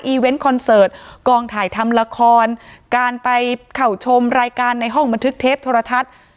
เวนต์คอนเสิร์ตกองถ่ายทำละครการไปเข้าชมรายการในห้องบันทึกเทปโทรทัศน์